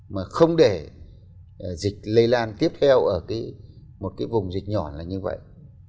mà không để dịch lây lan tiếp theo ở một cái vùng dịch nhỏ này